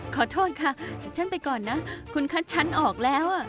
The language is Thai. ขอโทษค่ะดิฉันไปก่อนนะคุณคัดชั้นออกแล้ว